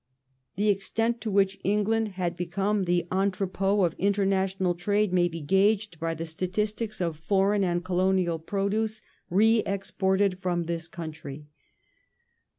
The extent to which England had become the entrepot of international trade may be gauged by the statistics of foreign and colonial produce re exported from this country.